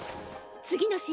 次の試合